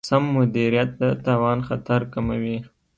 سم مدیریت د تاوان خطر کموي.